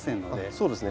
そうですね。